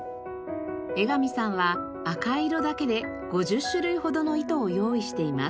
江上さんは赤色だけで５０種類ほどの糸を用意しています。